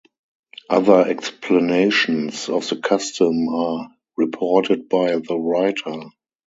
Other explanations of the custom are reported by the writer.